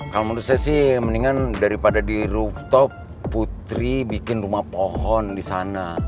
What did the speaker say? kalau menurut saya sih mendingan daripada di rooftop putri bikin rumah pohon di sana